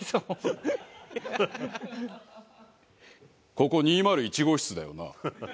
ここ２０１号室だよな？